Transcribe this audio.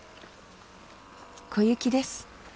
小雪です。